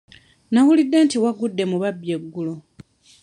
Nawulidde nti wagudde mu babbi eggulo.